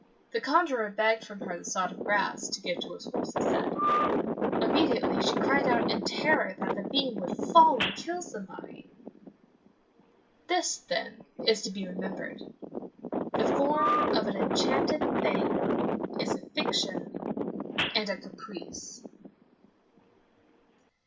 The conjurer begged from her the sod of grass, to give to his horse, he said. Immediately she cried out in terror that the beam would fall and kill somebody. This, then, is to be remembered the form of an enchanted thing is a fiction and a caprice.